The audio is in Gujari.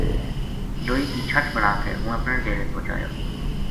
لوئی کی چھَٹ بنا کے ہوں اپنے ڈیرے پوہچایو